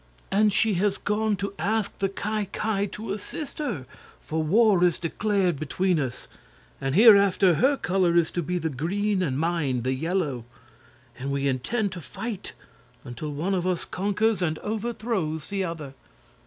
And she has gone to ask the Ki Ki to assist her, for war is declared between us. And hereafter her color is to be the green and mine the yellow, and we intend to fight until one of us conquers and overthrows the other."